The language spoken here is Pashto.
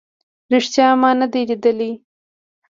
ریښتیا ما نه دی لیدلی